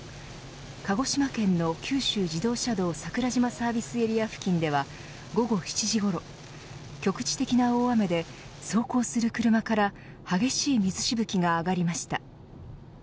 鹿児島県の九州自動車道桜島サービスエリア付近では午後７時ごろ局地的な大雨で走行する車から激しい水しぶきが上がりました。